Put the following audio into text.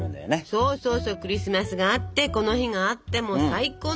そうそうそうクリスマスがあってこの日があってもう最高の１２月ですよ。